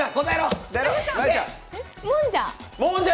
もんじゃ！？